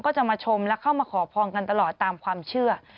จะมาชมและเข้ามาขอพรกันตลอดตามความเชื่อ